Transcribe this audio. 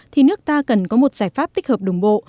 thì nước ta cần có một giải pháp tích hợp đồng bộ